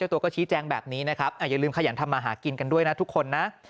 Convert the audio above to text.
ตัวก็ชี้แจงแบบนี้นะครับอย่าลืมขยันทำมาหากินกันด้วยนะทุกคนนะ